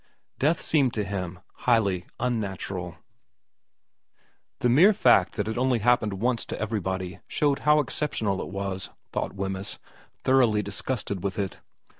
Death seemed to him highly unnatural. The mere fact that it only happened once to everybody showed how exceptional it was, thought Wemyss, thoroughly dis gusted with it.